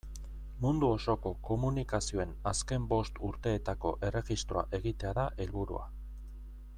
Mundu osoko komunikazioen azken bost urteetako erregistroa egitea da helburua.